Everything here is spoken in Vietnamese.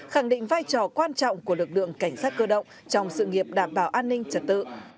khẳng định vai trò quan trọng của lực lượng cảnh sát cơ động trong sự nghiệp đảm bảo an ninh trật tự